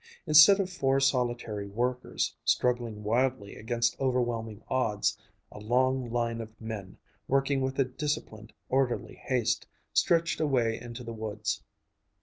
Instead of four solitary workers, struggling wildly against overwhelming odds, a long line of men, working with a disciplined, orderly haste, stretched away into the woods.